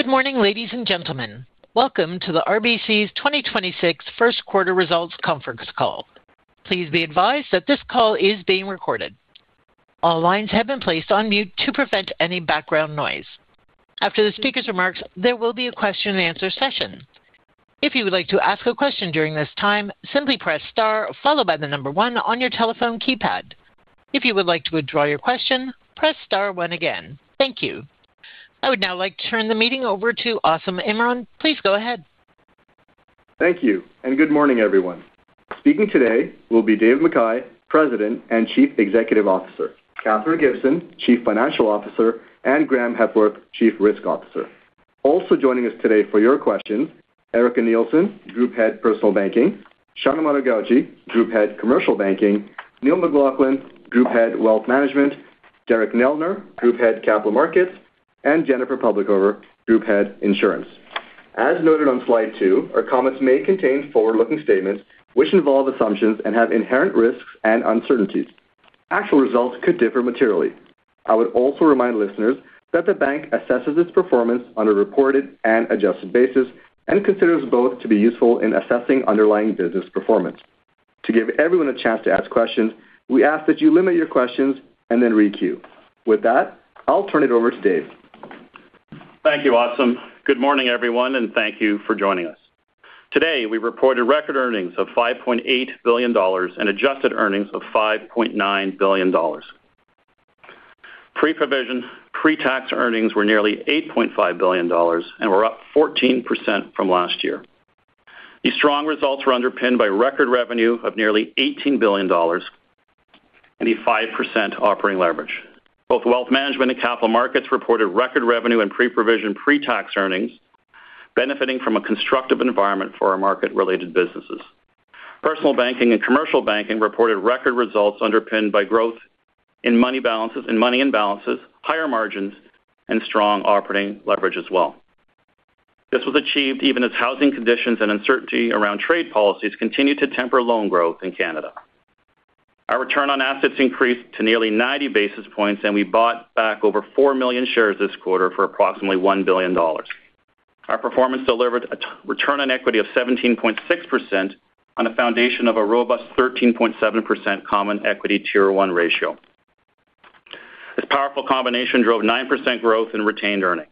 Good morning, ladies and gentlemen. Welcome to the RBC's 2026 first quarter results conference call. Please be advised that this call is being recorded. All lines have been placed on mute to prevent any background noise. After the speaker's remarks, there will be a question-and-answer session. If you would like to ask a question during this time, simply press star, followed by the number one on your telephone keypad. If you would like to withdraw your question, press star 1 again. Thank you. I would now like to turn the meeting over to Asim Imran. Please go ahead. Thank you. Good morning, everyone. Speaking today will be Dave McKay, President and Chief Executive Officer, Katherine Gibson, Chief Financial Officer, and Graeme Hepworth, Chief Risk Officer. Also joining us today for your questions, Erica Nielsen, Group Head, Personal Banking, Sean Amato-Gauci, Group Head, Commercial Banking, Neil McLaughlin, Group Head, Wealth Management, Derek Neldner, Group Head, Capital Markets, and Jennifer Publicover, Group Head, Insurance. As noted on slide 2, our comments may contain forward-looking statements which involve assumptions and have inherent risks and uncertainties. Actual results could differ materially. I would also remind listeners that the bank assesses its performance on a reported and adjusted basis and considers both to be useful in assessing underlying business performance. To give everyone a chance to ask questions, we ask that you limit your questions and then re-queue. With that, I'll turn it over to Dave. Thank you, Asim. Good morning, everyone, and thank you for joining us. Today, we reported record earnings of 5.8 billion dollars and adjusted earnings of 5.9 billion dollars. Pre-provision, pre-tax earnings were nearly 8.5 billion dollars and were up 14% from last year. These strong results were underpinned by record revenue of nearly 18 billion dollars and a 5% operating leverage. Both wealth management and capital markets reported record revenue and pre-provision, pre-tax earnings, benefiting from a constructive environment for our market-related businesses. Personal banking and commercial banking reported record results underpinned by growth in money in balances, higher margins, and strong operating leverage as well. This was achieved even as housing conditions and uncertainty around trade policies continued to temper loan growth in Canada. Our return on assets increased to nearly 90 basis points. We bought back over 4 million shares this quarter for approximately 1 billion dollars. Our performance delivered a return on equity of 17.6% on a foundation of a robust 13.7% Common Equity Tier 1 ratio. This powerful combination drove 9% growth in retained earnings.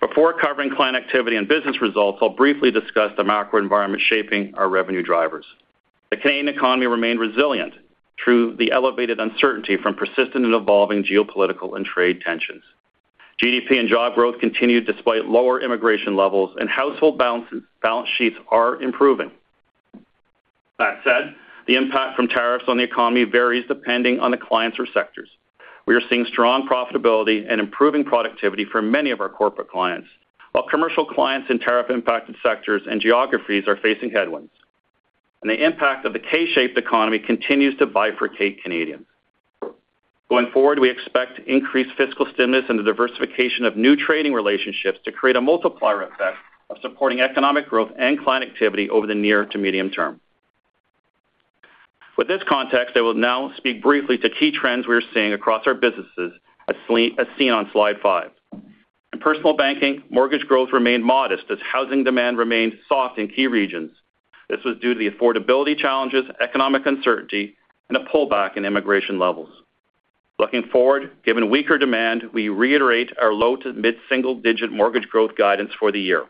Before covering client activity and business results, I'll briefly discuss the macro environment shaping our revenue drivers. The Canadian economy remained resilient through the elevated uncertainty from persistent and evolving geopolitical and trade tensions. GDP and job growth continued despite lower immigration levels and household balance sheets are improving. That said, the impact from tariffs on the economy varies depending on the clients or sectors. We are seeing strong profitability and improving productivity for many of our corporate clients, while commercial clients in tariff-impacted sectors and geographies are facing headwinds. The impact of the K-shaped economy continues to bifurcate Canadians. Going forward, we expect increased fiscal stimulus and the diversification of new trading relationships to create a multiplier effect of supporting economic growth and client activity over the near to medium term. With this context, I will now speak briefly to key trends we are seeing across our businesses, as seen on slide 5. In personal banking, mortgage growth remained modest as housing demand remained soft in key regions. This was due to the affordability challenges, economic uncertainty, and a pullback in immigration levels. Looking forward, given weaker demand, we reiterate our low to mid-single-digit mortgage growth guidance for the year.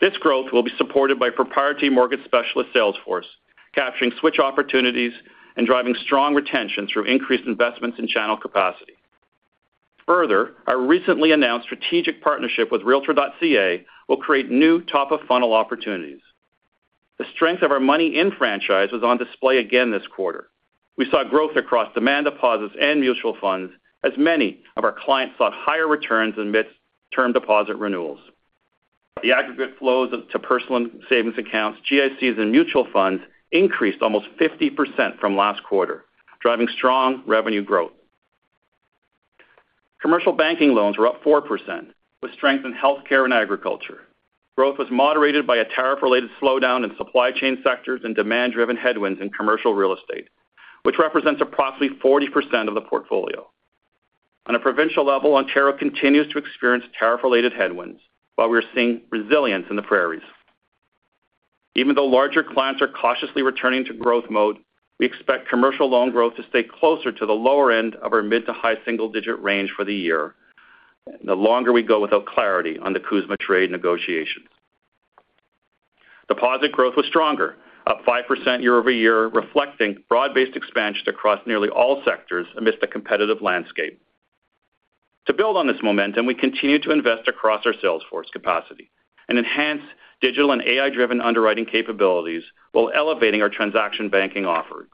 This growth will be supported by proprietary mortgage specialist sales force, capturing switch opportunities and driving strong retention through increased investments in channel capacity. Our recently announced strategic partnership with REALTOR.ca will create new top-of-funnel opportunities. The strength of our money in franchise was on display again this quarter. We saw growth across demand deposits and mutual funds, as many of our clients sought higher returns amidst term deposit renewals. The aggregate flows of to personal and savings accounts, GICs and mutual funds increased almost 50% from last quarter, driving strong revenue growth. Commercial banking loans were up 4%, with strength in healthcare and agriculture. Growth was moderated by a tariff-related slowdown in supply chain sectors and demand-driven headwinds in commercial real estate, which represents approximately 40% of the portfolio. On a provincial level, Ontario continues to experience tariff-related headwinds, while we're seeing resilience in the prairies. Larger clients are cautiously returning to growth mode, we expect commercial loan growth to stay closer to the lower end of our mid to high single digit range for the year, the longer we go without clarity on the CUSMA trade negotiations. Deposit growth was stronger, up 5% year-over-year, reflecting broad-based expansion across nearly all sectors amidst a competitive landscape. To build on this momentum, we continue to invest across our sales force capacity and enhance digital and AI-driven underwriting capabilities while elevating our transaction banking offerings.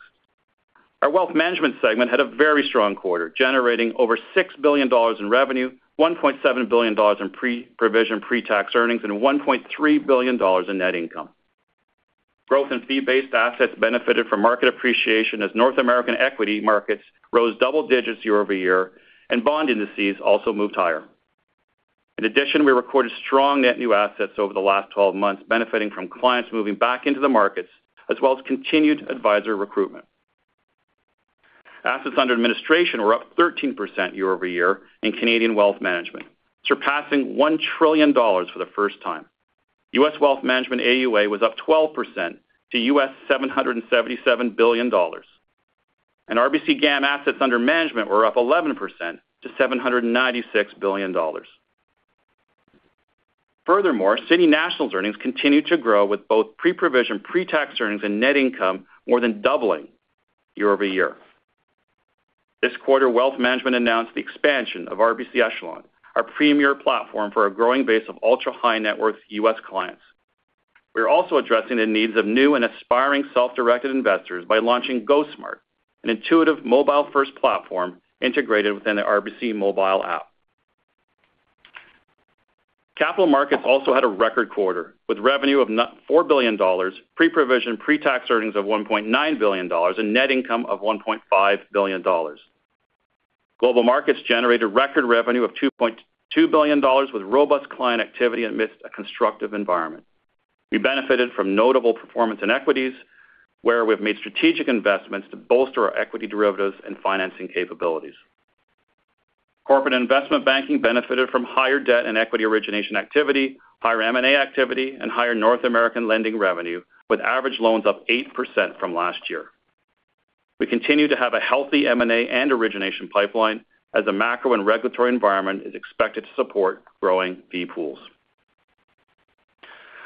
Our wealth management segment had a very strong quarter, generating over 6 billion dollars in revenue, 1.7 billion dollars in pre-provision, pre-tax earnings, and 1.3 billion dollars in net income. Growth in fee-based assets benefited from market appreciation as North American equity markets rose double-digits year-over-year, and bond indices also moved higher. We recorded strong net new assets over the last 12 months, benefiting from clients moving back into the markets, as well as continued advisor recruitment. Assets under administration were up 13% year-over-year in Canadian Wealth Management, surpassing 1 trillion dollars for the first time. U.S. Wealth Management AUA was up 12% to $777 billion, and RBC GAM assets under management were up 11% to $796 billion. City National's earnings continued to grow, with both pre-provision, pre-tax earnings and net income more than doubling year-over-year. This quarter, Wealth Management announced the expansion of RBC Echelon, our premier platform for a growing base of ultra-high-net-worth U.S. clients. We are also addressing the needs of new and aspiring self-directed investors by launching GoSmart, an intuitive mobile-first platform integrated within the RBC Mobile app. Capital markets also had a record quarter, with revenue of 4 billion dollars, pre-provision, pre-tax earnings of 1.9 billion dollars, and net income of 1.5 billion dollars. Global markets generated record revenue of 2.2 billion dollars, with robust client activity amidst a constructive environment. We benefited from notable performance in equities, where we've made strategic investments to bolster our equity derivatives and financing capabilities. Corporate investment banking benefited from higher debt and equity origination activity, higher M&A activity, and higher North American lending revenue, with average loans up 8% from last year. We continue to have a healthy M&A and origination pipeline, as the macro and regulatory environment is expected to support growing fee pools.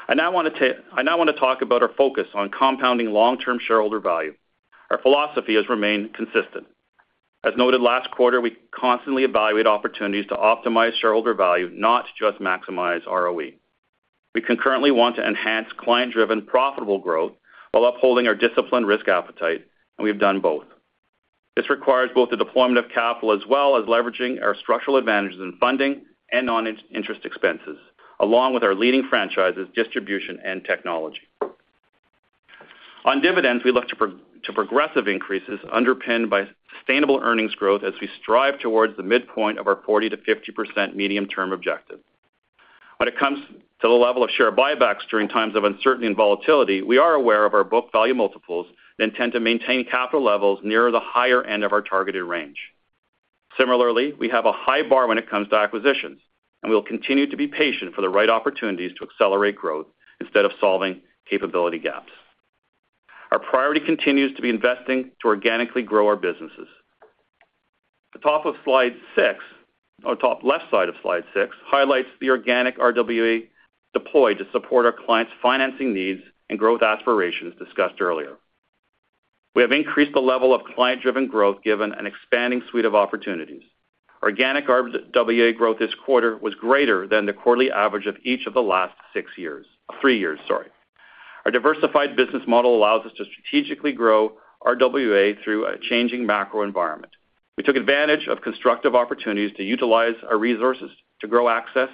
I now want to talk about our focus on compounding long-term shareholder value. Our philosophy has remained consistent. As noted last quarter, we constantly evaluate opportunities to optimize shareholder value, not just maximize ROE. We concurrently want to enhance client-driven, profitable growth while upholding our disciplined risk appetite, and we've done both. This requires both the deployment of capital, as well as leveraging our structural advantages in funding and non-interest expenses, along with our leading franchises, distribution, and technology. On dividends, we look to progressive increases underpinned by sustainable earnings growth as we strive towards the midpoint of our 40%-50% medium-term objective. When it comes to the level of share buybacks during times of uncertainty and volatility, we are aware of our book value multiples and tend to maintain capital levels nearer the higher end of our targeted range. Similarly, we have a high bar when it comes to acquisitions, and we will continue to be patient for the right opportunities to accelerate growth instead of solving capability gaps. Our priority continues to be investing to organically grow our businesses. The top of Slide 6, or top left side of Slide 6, highlights the organic RWA deployed to support our clients' financing needs and growth aspirations discussed earlier. We have increased the level of client-driven growth, given an expanding suite of opportunities. Organic RWA growth this quarter was greater than the quarterly average of each of the last three years, sorry. Our diversified business model allows us to strategically grow RWA through a changing macro environment. We took advantage of constructive opportunities to utilize our resources to grow access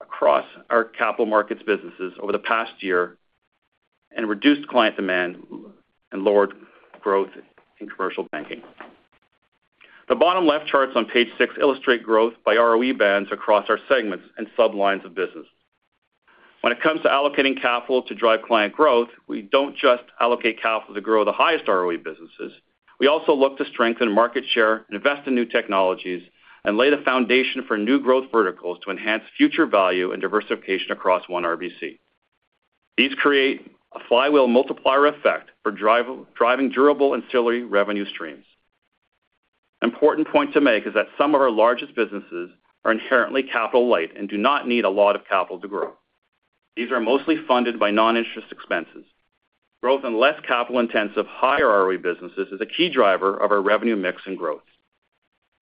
across our capital markets businesses over the past year and reduced client demand and lowered growth in commercial banking. The bottom left charts on page 6 illustrate growth by ROE bands across our segments and sub-lines of business. When it comes to allocating capital to drive client growth, we don't just allocate capital to grow the highest ROE businesses. We also look to strengthen market share, invest in new technologies, and lay the foundation for new growth verticals to enhance future value and diversification across one RBC. These create a flywheel multiplier effect for driving durable ancillary revenue streams. Important point to make is that some of our largest businesses are inherently capital light and do not need a lot of capital to grow. These are mostly funded by non-interest expenses. Growth in less capital-intensive, higher ROE businesses is a key driver of our revenue mix and growth.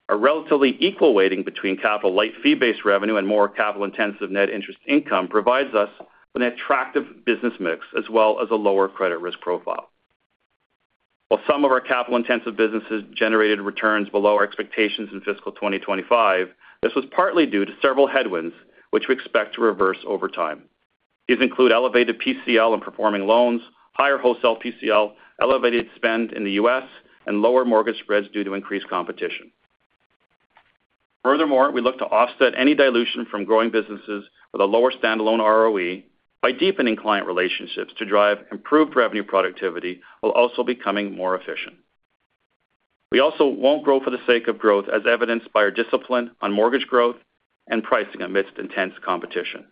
A relatively equal weighting between capital light, fee-based revenue and more capital-intensive net interest income provides us with an attractive business mix as well as a lower credit risk profile. While some of our capital-intensive businesses generated returns below our expectations in fiscal 2025, this was partly due to several headwinds, which we expect to reverse over time. These include elevated PCL in performing loans, higher wholesale PCL, elevated spend in the US, and lower mortgage spreads due to increased competition. Furthermore, we look to offset any dilution from growing businesses with a lower standalone ROE by deepening client relationships to drive improved revenue productivity, while also becoming more efficient. We also won't grow for the sake of growth, as evidenced by our discipline on mortgage growth and pricing amidst intense competition.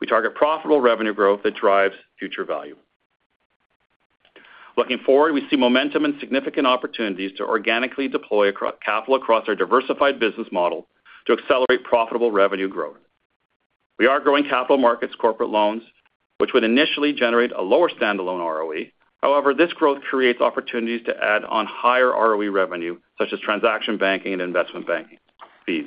We target profitable revenue growth that drives future value. Looking forward, we see momentum and significant opportunities to organically deploy capital across our diversified business model to accelerate profitable revenue growth. We are growing capital markets corporate loans, which would initially generate a lower standalone ROE. This growth creates opportunities to add on higher ROE revenue, such as transaction banking and investment banking fees.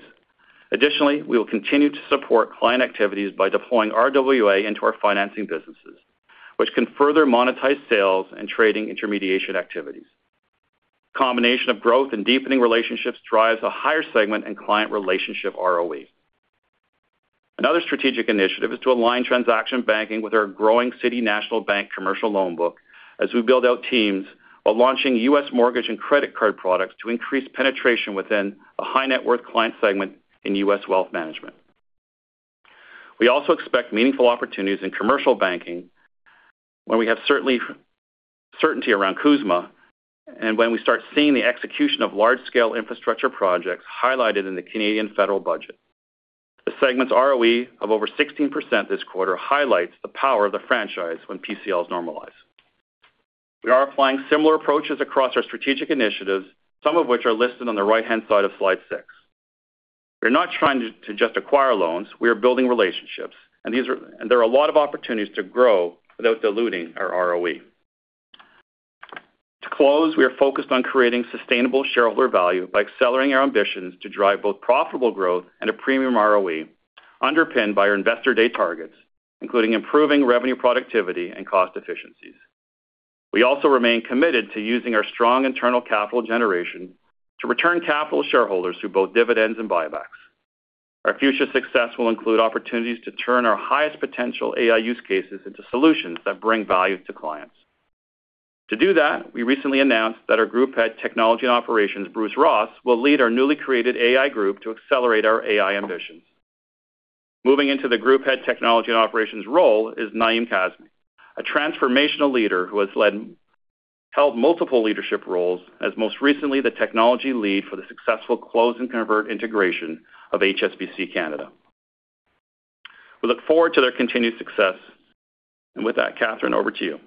Additionally, we will continue to support client activities by deploying RWA into our financing businesses, which can further monetize sales and trading intermediation activities. Combination of growth and deepening relationships drives a higher segment and client relationship ROE. Another strategic initiative is to align transaction banking with our growing City National Bank commercial loan book as we build out teams while launching U.S. mortgage and credit card products to increase penetration within a high net worth client segment in U.S. wealth management. We also expect meaningful opportunities in commercial banking when we have certainly, certainty around CUSMA. When we start seeing the execution of large-scale infrastructure projects highlighted in the Canadian federal budget, the segment's ROE of over 16% this quarter highlights the power of the franchise when PCL is normalized. We are applying similar approaches across our strategic initiatives, some of which are listed on the right-hand side of slide 6. We're not trying to just acquire loans, we are building relationships, and there are a lot of opportunities to grow without diluting our ROE. To close, we are focused on creating sustainable shareholder value by accelerating our ambitions to drive both profitable growth and a premium ROE, underpinned by our investor day targets, including improving revenue, productivity, and cost efficiencies. We also remain committed to using our strong internal capital generation to return capital to shareholders through both dividends and buybacks. Our future success will include opportunities to turn our highest potential AI use cases into solutions that bring value to clients. To do that, we recently announced that our Group Head, Technology and Operations, Bruce Ross, will lead our newly created AI group to accelerate our AI ambitions. Moving into the Group Head, Technology and Operations role is Naimi Kazmi, a transformational leader who has held multiple leadership roles, as most recently the technology lead for the successful close and convert integration of HSBC Canada. We look forward to their continued success. With that, Katherine, over to you.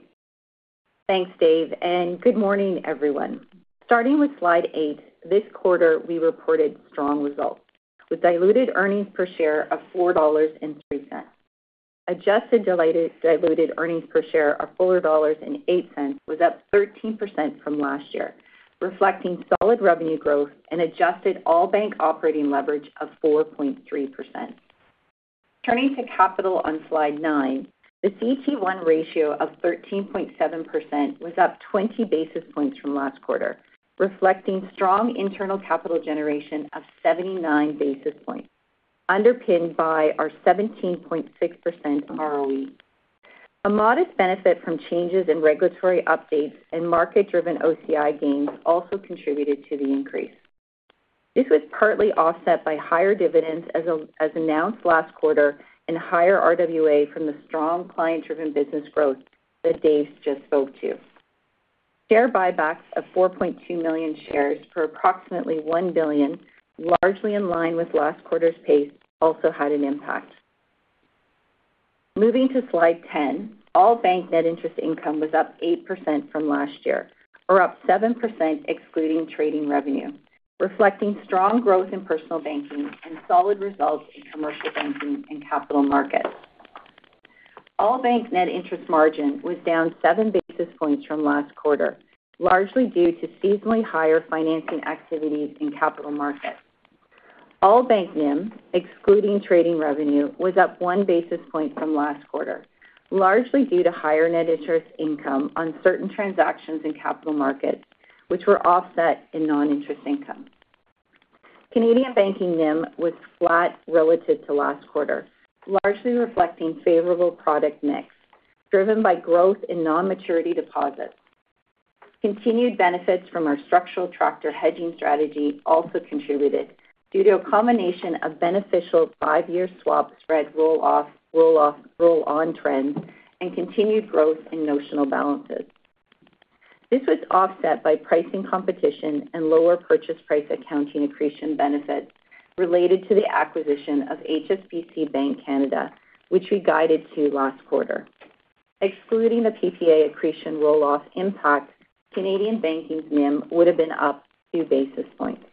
Thanks, Dave. Good morning, everyone. Starting with slide 8, this quarter, we reported strong results, with diluted earnings per share of $4.03. Adjusted diluted earnings per share of $4.08 was up 13% from last year, reflecting solid revenue growth and adjusted all bank operating leverage of 4.3%. Turning to capital on slide 9, the CET1 ratio of 13.7% was up 20 basis points from last quarter, reflecting strong internal capital generation of 79 basis points, underpinned by our 17.6% ROE. A modest benefit from changes in regulatory updates and market-driven OCI gains also contributed to the increase. This was partly offset by higher dividends, as announced last quarter, and higher RWA from the strong client-driven business growth that Dave just spoke to. Share buybacks of 4.2 million shares for approximately 1 billion, largely in line with last quarter's pace, also had an impact. Moving to slide 10, all bank net interest income was up 8% from last year, or up 7% excluding trading revenue, reflecting strong growth in personal banking and solid results in commercial banking and capital markets. All bank net interest margin was down 7 basis points from last quarter, largely due to seasonally higher financing activities in capital markets. All bank NIM, excluding trading revenue, was up 1 basis point from last quarter, largely due to higher net interest income on certain transactions in capital markets, which were offset in non-interest income. Canadian banking NIM was flat relative to last quarter, largely reflecting favorable product mix, driven by growth in non-maturity deposits. Continued benefits from our structural hedging strategy also contributed due to a combination of beneficial 5-year swap spread roll-off, roll-on trends and continued growth in notional balances. This was offset by pricing competition and lower purchase price accounting accretion benefits related to the acquisition of HSBC Bank Canada, which we guided to last quarter. Excluding the PPA accretion roll-off impact, Canadian banking's NIM would have been up 2 basis points.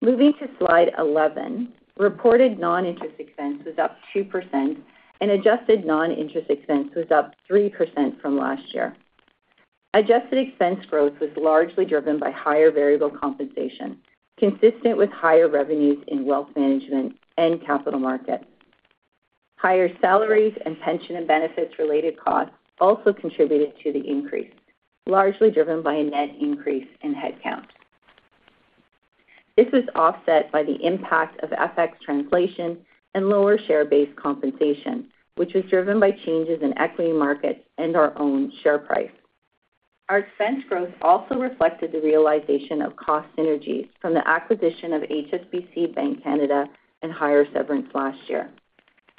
Moving to slide 11, reported non-interest expense was up 2%, adjusted non-interest expense was up 3% from last year. Adjusted expense growth was largely driven by higher variable compensation, consistent with higher revenues in wealth management and Capital Markets. Higher salaries and pension and benefits related costs also contributed to the increase, largely driven by a net increase in headcount. This was offset by the impact of FX translation and lower share-based compensation, which was driven by changes in equity markets and our own share price. Our expense growth also reflected the realization of cost synergies from the acquisition of HSBC Bank Canada and higher severance last year.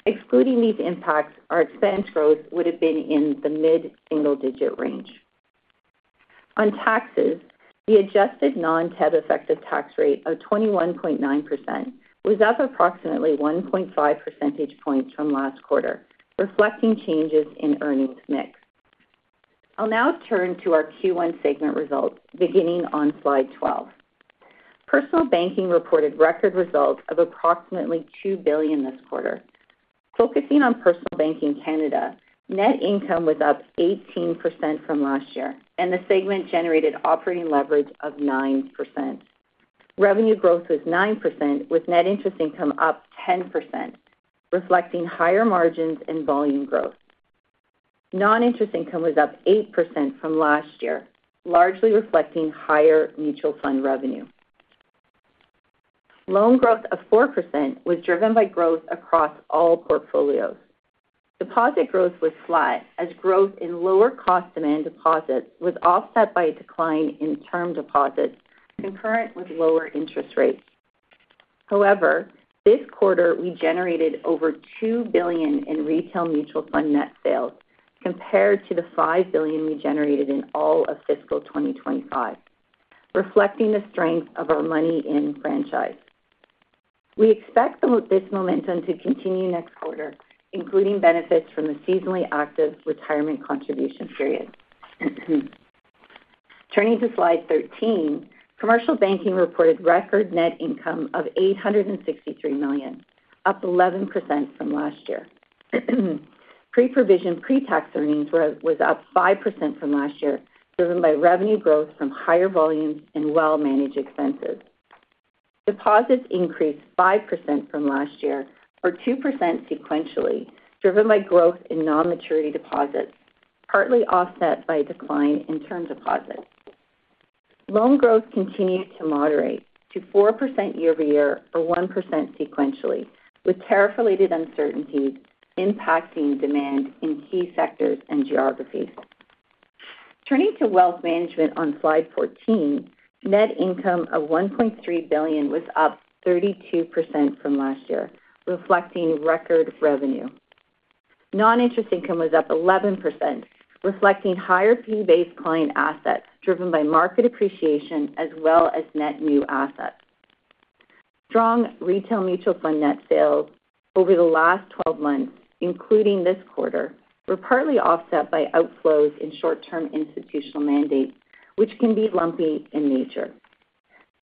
Excluding these impacts, our expense growth would have been in the mid-single digit range. On taxes, the adjusted non-TEB effective tax rate of 21.9% was up approximately 1.5 percentage points from last quarter, reflecting changes in earnings mix. I'll now turn to our Q1 segment results, beginning on slide 12. Personal banking reported record results of approximately 2 billion this quarter. Focusing on personal banking in Canada, net income was up 18% from last year, and the segment generated operating leverage of 9%. Revenue growth was 9%, with net interest income up 10%, reflecting higher margins and volume growth. Non-interest income was up 8% from last year, largely reflecting higher mutual fund revenue. Loan growth of 4% was driven by growth across all portfolios. Deposit growth was flat, as growth in lower cost demand deposits was offset by a decline in term deposits, concurrent with lower interest rates. This quarter, we generated over 2 billion in retail mutual fund net sales, compared to the 5 billion we generated in all of fiscal 2025, reflecting the strength of our money in franchise. We expect this momentum to continue next quarter, including benefits from the seasonally active retirement contribution period. Turning to slide 13, Commercial Banking reported record net income of 863 million, up 11% from last year. Pre-provision, pre-tax earnings growth was up 5% from last year, driven by revenue growth from higher volumes and well-managed expenses. Deposits increased 5% from last year or 2% sequentially, driven by growth in non-maturity deposits, partly offset by a decline in term deposits. Loan growth continued to moderate to 4% year-over-year or 1% sequentially, with tariff-related uncertainties impacting demand in key sectors and geographies. Turning to Wealth Management on slide 14, net income of 1.3 billion was up 32% from last year, reflecting record revenue. Non-interest income was up 11%, reflecting higher fee-based client assets, driven by market appreciation as well as net new assets. Strong retail mutual fund net sales over the last 12 months, including this quarter, were partly offset by outflows in short-term institutional mandates, which can be lumpy in nature.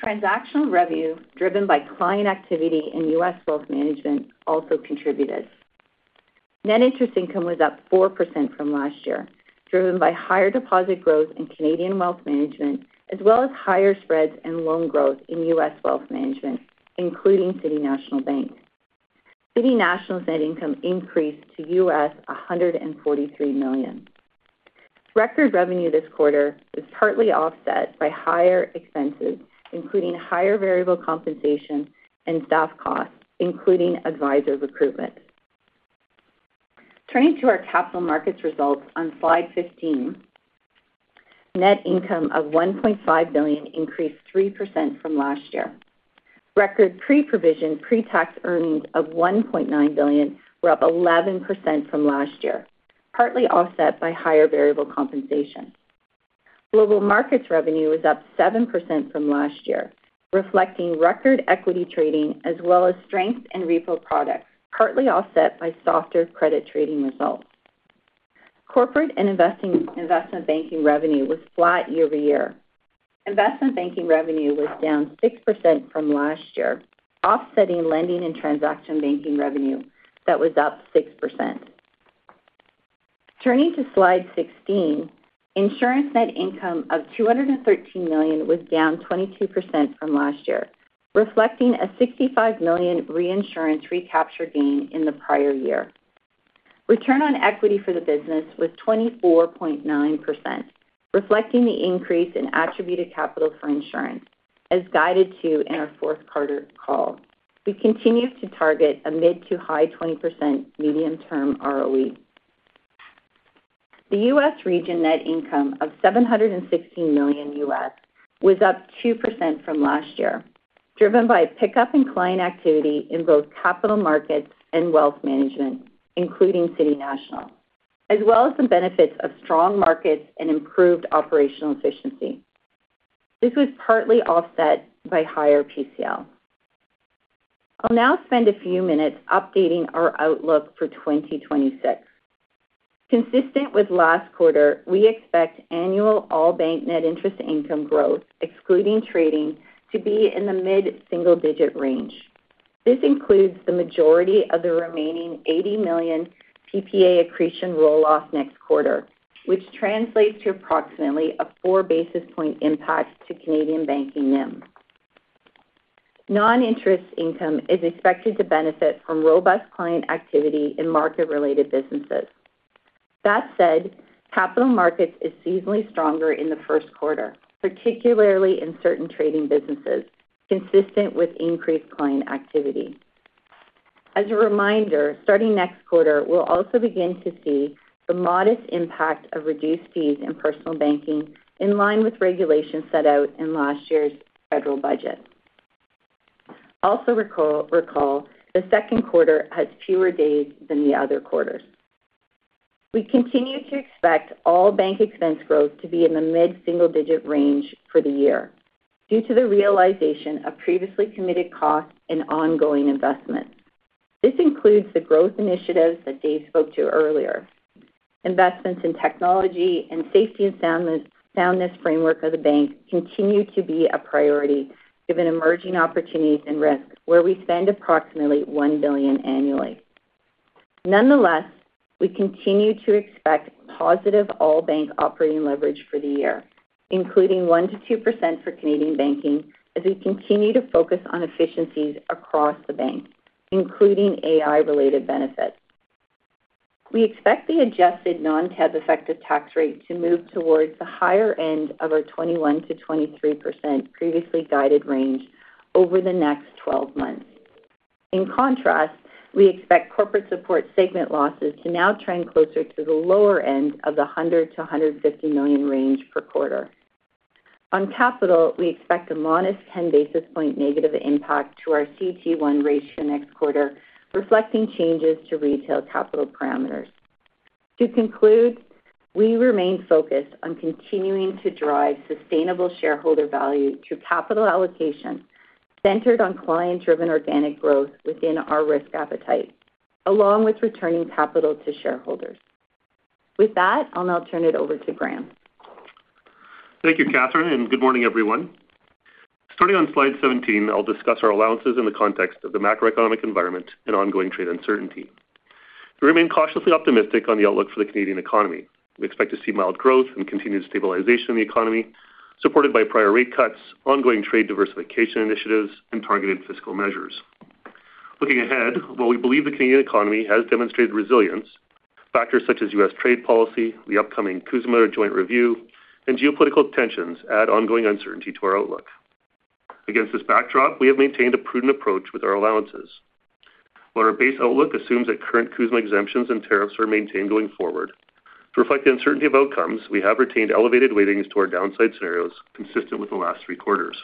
Transactional revenue, driven by client activity in U.S. Wealth Management, also contributed. Net interest income was up 4% from last year, driven by higher deposit growth in Canadian Wealth Management, as well as higher spreads and loan growth in U.S. Wealth Management, including City National Bank. City National net income increased to $143 million. Record revenue this quarter is partly offset by higher expenses, including higher variable compensation and staff costs, including advisors recruitment. Turning to our Capital Markets results on slide 15, net income of 1.5 billion increased 3% from last year. Record pre-provision, pre-tax earnings of 1.9 billion were up 11% from last year, partly offset by higher variable compensation. Global Markets revenue was up 7% from last year, reflecting record equity trading, as well as strength in repo products, partly offset by softer credit trading results. Investment Banking revenue was flat year-over-year. Investment banking revenue was down 6% from last year, offsetting lending and transaction banking revenue that was up 6%. Turning to slide 16, Insurance net income of 213 million was down 22% from last year, reflecting a 65 million reinsurance recapture gain in the prior year. Return on equity for the business was 24.9%, reflecting the increase in attributed capital for insurance, as guided to in our fourth quarter call. We continue to target a mid to high 20% medium-term ROE. The US region net income of $716 million was up 2% from last year, driven by a pickup in client activity in both capital markets and wealth management, including City National, as well as the benefits of strong markets and improved operational efficiency. This was partly offset by higher PCL. I'll now spend a few minutes updating our outlook for 2026. Consistent with last quarter, we expect annual all bank net interest income growth, excluding trading, to be in the mid-single digit range. This includes the majority of the remaining $80 million PPA accretion roll-off next quarter, which translates to approximately a 4 basis point impact to Canadian banking NIM. Non-interest income is expected to benefit from robust client activity in market-related businesses. Capital markets is seasonally stronger in the first quarter, particularly in certain trading businesses, consistent with increased client activity. As a reminder, starting next quarter, we'll also begin to see the modest impact of reduced fees in personal banking, in line with regulations set out in last year's federal budget. Also recall, the second quarter has fewer days than the other quarters. We continue to expect all bank expense growth to be in the mid-single digit range for the year due to the realization of previously committed costs and ongoing investments. This includes the growth initiatives that Dave spoke to earlier. Investments in technology and safety and soundness framework of the bank continue to be a priority, given emerging opportunities and risks, where we spend approximately 1 billion annually. Nonetheless, we continue to expect positive all bank operating leverage for the year, including 1%-2% for Canadian banking, as we continue to focus on efficiencies across the bank, including AI-related benefits. We expect the adjusted non-tax effective tax rate to move towards the higher end of our 21-23% previously guided range over the next 12 months. We expect corporate support segment losses to now trend closer to the lower end of the 100 million-150 million range per quarter. We expect a modest 10 basis point negative impact to our CET1 ratio next quarter, reflecting changes to retail capital parameters. We remain focused on continuing to drive sustainable shareholder value through capital allocation, centered on client-driven organic growth within our risk appetite, along with returning capital to shareholders. I'll now turn it over to Graeme. Thank you, Katherine, and good morning, everyone. Starting on slide 17, I'll discuss our allowances in the context of the macroeconomic environment and ongoing trade uncertainty. We remain cautiously optimistic on the outlook for the Canadian economy. We expect to see mild growth and continued stabilization of the economy, supported by prior rate cuts, ongoing trade diversification initiatives, and targeted fiscal measures. Looking ahead, while we believe the Canadian economy has demonstrated resilience, factors such as US trade policy, the upcoming CUSMA Joint Review, and geopolitical tensions add ongoing uncertainty to our outlook. Against this backdrop, we have maintained a prudent approach with our allowances. While our base outlook assumes that current CUSMA exemptions and tariffs are maintained going forward, to reflect the uncertainty of outcomes, we have retained elevated weightings to our downside scenarios consistent with the last three quarters.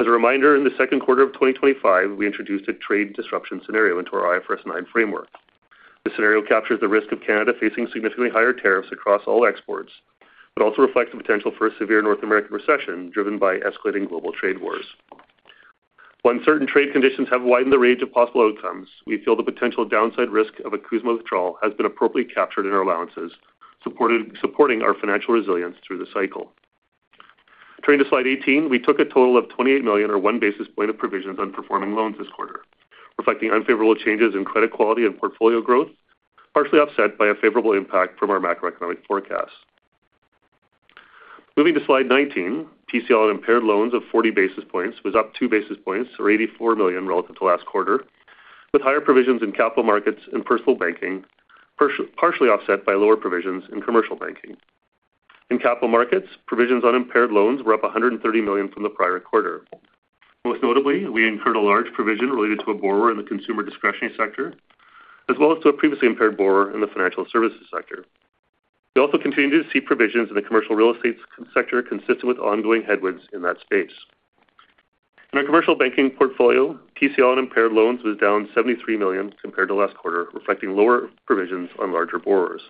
As a reminder, in the second quarter of 2025, we introduced a trade disruption scenario into our IFRS 9 framework. The scenario captures the risk of Canada facing significantly higher tariffs across all exports, but also reflects the potential for a severe North American recession driven by escalating global trade wars. While uncertain trade conditions have widened the range of possible outcomes, we feel the potential downside risk of a CUSMA withdrawal has been appropriately captured in our allowances, supporting our financial resilience through the cycle. Turning to slide 18, we took a total of 28 million or 1 basis point of provisions on performing loans this quarter, reflecting unfavorable changes in credit quality and portfolio growth, partially offset by a favorable impact from our macroeconomic forecast. Moving to slide 19, TCL and impaired loans of 40 basis points was up 2 basis points, or 84 million relative to last quarter, with higher provisions in capital markets and personal banking, partially offset by lower provisions in commercial banking. In capital markets, provisions on impaired loans were up 130 million from the prior quarter. Most notably, we incurred a large provision related to a borrower in the consumer discretionary sector, as well as to a previously impaired borrower in the financial services sector. We also continue to see provisions in the commercial real estate sector consistent with ongoing headwinds in that space. In our commercial banking portfolio, TCL and impaired loans was down 73 million compared to last quarter, reflecting lower provisions on larger borrowers.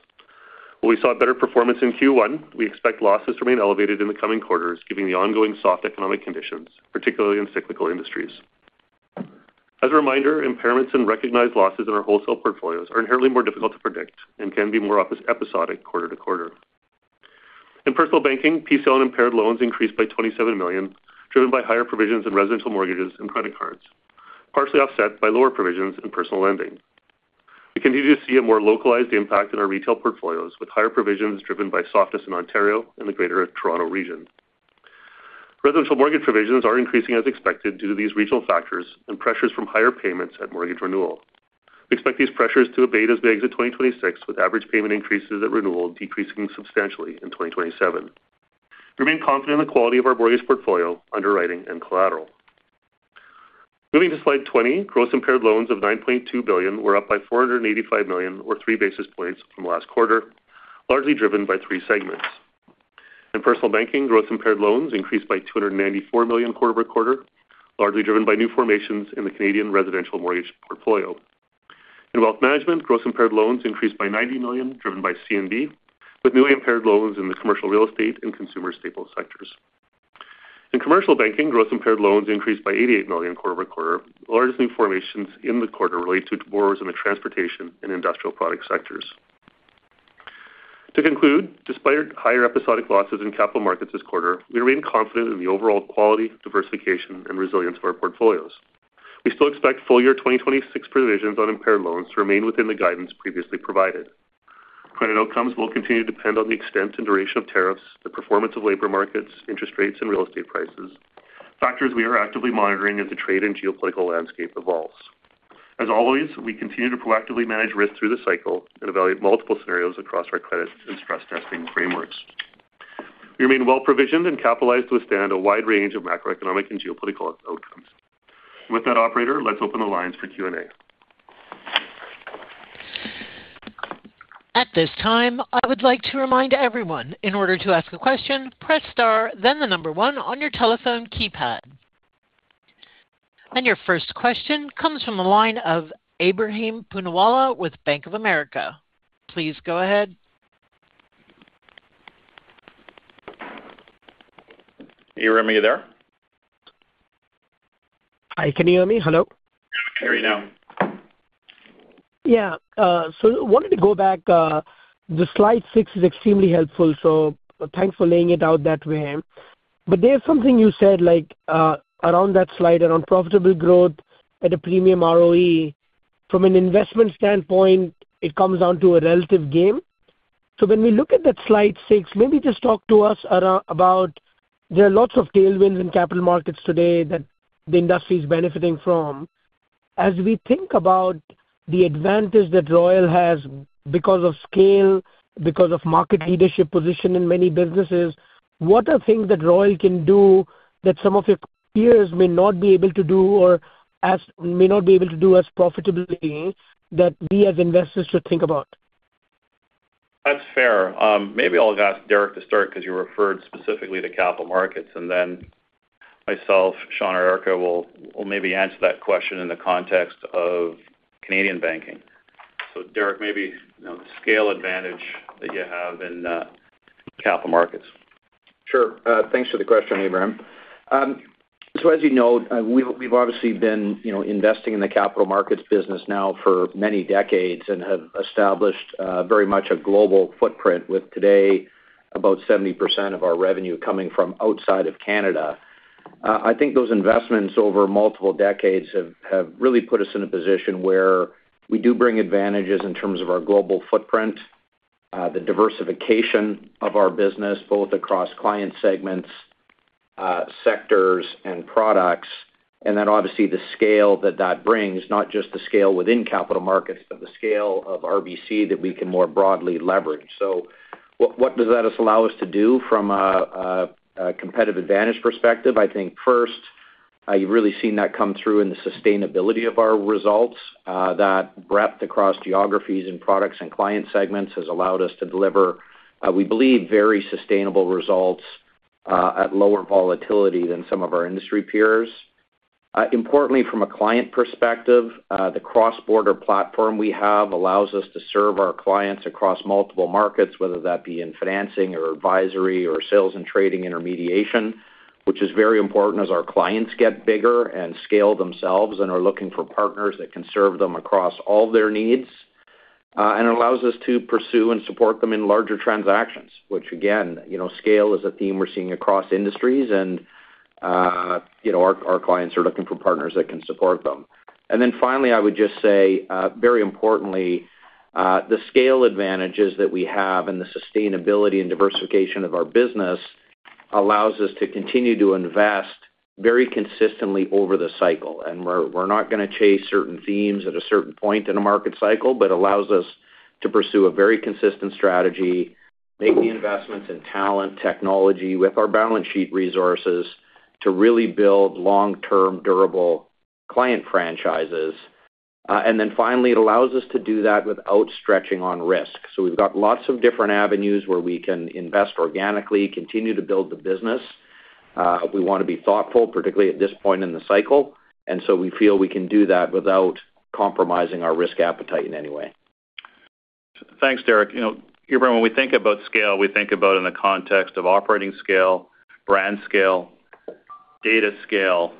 While we saw a better performance in Q1, we expect losses to remain elevated in the coming quarters, giving the ongoing soft economic conditions, particularly in cyclical industries. As a reminder, impairments and recognized losses in our wholesale portfolios are inherently more difficult to predict and can be more episodic quarter to quarter. In personal banking, PCL and impaired loans increased by 27 million, driven by higher provisions in residential mortgages and credit cards, partially offset by lower provisions in personal lending. We continue to see a more localized impact in our retail portfolios, with higher provisions driven by softness in Ontario and the Greater Toronto region. Residential mortgage provisions are increasing as expected due to these regional factors and pressures from higher payments at mortgage renewal. We expect these pressures to abate as we exit 2026, with average payment increases at renewal decreasing substantially in 2027. We remain confident in the quality of our mortgage portfolio, underwriting, and collateral. Moving to slide 20, gross impaired loans of 9.2 billion were up by 485 million or 3 basis points from last quarter, largely driven by three segments. In Personal Banking, gross impaired loans increased by 294 million quarter-over-quarter, largely driven by new formations in the Canadian residential mortgage portfolio. In Wealth Management, gross impaired loans increased by 90 million, driven by CND, with new impaired loans in the commercial real estate and consumer staples sectors. In Commercial Banking, gross impaired loans increased by 88 million quarter-over-quarter. The largest new formations in the quarter relate to borrowers in the transportation and industrial product sectors. To conclude, despite higher episodic losses in capital markets this quarter, we remain confident in the overall quality, diversification, and resilience of our portfolios. We still expect full year 2026 provisions on impaired loans to remain within the guidance previously provided. Credit outcomes will continue to depend on the extent and duration of tariffs, the performance of labor markets, interest rates, and real estate prices, factors we are actively monitoring as the trade and geopolitical landscape evolves. As always, we continue to proactively manage risk through the cycle and evaluate multiple scenarios across our credit and stress testing frameworks. We remain well-provisioned and capitalized to withstand a wide range of macroeconomic and geopolitical outcomes. With that, operator, let's open the lines for Q&A. At this time, I would like to remind everyone, in order to ask a question, press star, then the one on your telephone keypad. Your first question comes from the line of Ebrahim Poonawala with Bank of America. Please go ahead. Ebrahim, are you there? Hi, can you hear me? Hello. I can hear you now. Wanted to go back, the slide 6 is extremely helpful, thanks for laying it out that way. There's something you said, like, around that slide, around profitable growth at a premium ROE. From an investment standpoint, it comes down to a relative game. When we look at that slide 6, maybe just talk to us about there are lots of tailwinds in capital markets today that the industry is benefiting from. As we think about the advantage that Royal has because of scale, because of market leadership position in many businesses, what are things that Royal can do that some of your peers may not be able to do or may not be able to do as profitably, that we as investors should think about? That's fair. maybe I'll ask Derek to start because you referred specifically to Capital Markets, and then myself, Sean, or Erica will maybe answer that question in the context of Canadian banking. Derek, maybe, you know, scale advantage that you have in Capital Markets. Sure. Thanks for the question, Ebrahim. As you know, we've obviously been, you know, investing in the capital markets business now for many decades and have established very much a global footprint with today, about 70% of our revenue coming from outside of Canada. I think those investments over multiple decades have really put us in a position where we do bring advantages in terms of our global footprint, the diversification of our business, both across client segments, sectors and products, and then obviously, the scale that that brings, not just the scale within capital markets, but the scale of RBC that we can more broadly leverage. What does that allow us to do from a competitive advantage perspective? I think first, you've really seen that come through in the sustainability of our results. That breadth across geographies and products and client segments has allowed us to deliver, we believe, very sustainable results, at lower volatility than some of our industry peers. Importantly, from a client perspective, the cross-border platform we have allows us to serve our clients across multiple markets, whether that be in financing or advisory or sales and trading intermediation, which is very important as our clients get bigger and scale themselves and are looking for partners that can serve them across all their needs. It allows us to pursue and support them in larger transactions, which again, you know, scale is a theme we're seeing across industries, and, you know, our clients are looking for partners that can support them. Finally, I would just say, very importantly, the scale advantages that we have and the sustainability and diversification of our business allows us to continue to invest very consistently over the cycle. We're not going to chase certain themes at a certain point in a market cycle, but allows us to pursue a very consistent strategy, make the investments in talent, technology, with our balance sheet resources, to really build long-term, durable client franchises. Then finally, it allows us to do that without stretching on risk. We've got lots of different avenues where we can invest organically, continue to build the business. We want to be thoughtful, particularly at this point in the cycle, and so we feel we can do that without compromising our risk appetite in any way. Thanks, Derek. You know, Ebrahim, when we think about scale, we think about in the context of operating scale, brand scale, data scale,